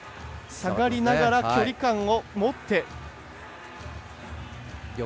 下がりながら距離感を持って。